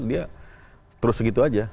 dia terus segitu saja